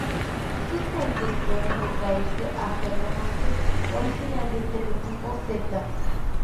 Sus fuentes pueden rastrearse hasta el romance original de estereotipo celta.